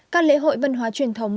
các lễ hội văn hóa truyền thống